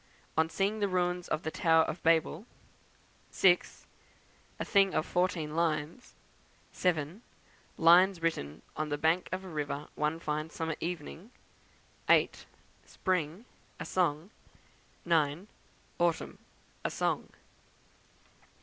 On Seeing the Ruins of the Tower of Babel; 6. A Thing of 14 lines; 7. Lines written on the Bank of a River one fine Summer Evening; 8. Spring, a Song; 9. Autumn, a Song.